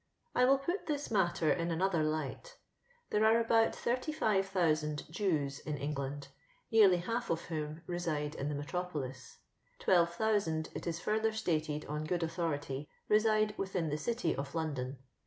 Iwiilputthis matter in another light There are about 85,000 Jews in England, n^uly half of whom reside in the metropolis. 12,000, it is further stated on good authority, reside within the City of London.